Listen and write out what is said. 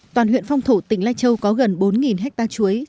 toàn huyện phong thổ tỉnh lai châu có gần bốn hectare chuối